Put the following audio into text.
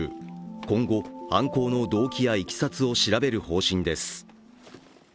今後、犯行のいきさつを調べる方針です。